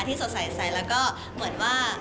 สดใสแล้วก็เหมือนว่า